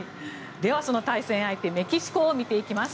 その対戦相手メキシコを見ていきます。